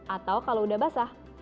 atau kalau udah basah